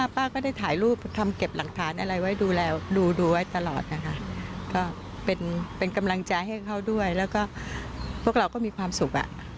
เพราะปุ้กเราก็มีความสุข